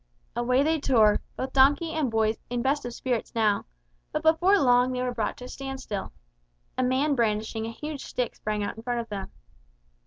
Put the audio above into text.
Away they tore, both donkey and boys in best of spirits now: but before long they were brought to a standstill. A man brandishing a huge stick sprang out in front of them.